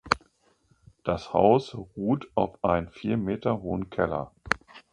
Das Haus ruht auf einem vier Meter hohen Keller.